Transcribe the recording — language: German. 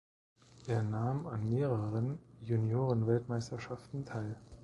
Er nahm an mehreren Juniorenweltmeisterschaften teil.